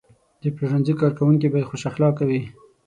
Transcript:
د پلورنځي کارکوونکي باید خوش اخلاقه وي.